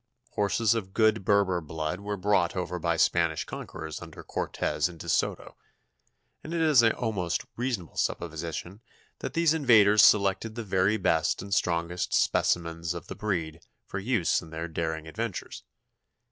Horses of good Berber blood were brought over by the Spanish conquerors under Cortez and De Soto, and it is a most reasonable supposition that these invaders selected the very best and strongest specimens of the breed for use in their daring ventures.